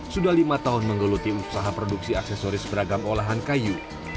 sudah lima tahun menggeluti usaha produksi aksesoris beragam olahan kayu